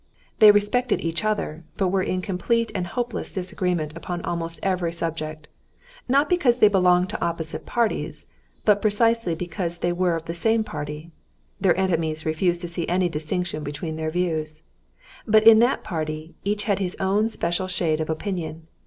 They respected each other, but were in complete and hopeless disagreement upon almost every subject, not because they belonged to opposite parties, but precisely because they were of the same party (their enemies refused to see any distinction between their views); but, in that party, each had his own special shade of opinion.